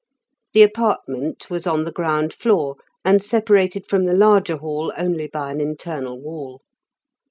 The apartment was on the ground floor, and separated from the larger hall only by an internal wall.